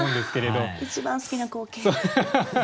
ああ一番好きな光景。